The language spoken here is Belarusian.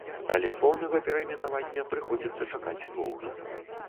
Але поўнага перайменавання прыходзіцца чакаць доўга.